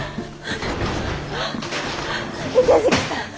池月さん！